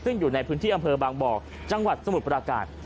ซึ่งอยู่ในพื้นที่อำเภอบางบ่อจังหวัดสมุทรปราการ